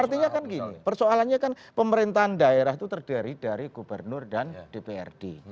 artinya kan gini persoalannya kan pemerintahan daerah itu terdiri dari gubernur dan dprd